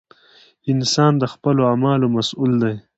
• انسان د خپلو اعمالو مسؤل دی.